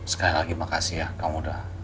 sekali lagi makasih ya kamu udah